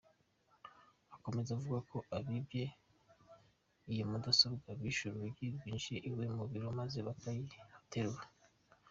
Akomeza avuga ko abibye iyo mudasobwa bishe urugi rwinjira iwe mu biro maze bakayihaterura.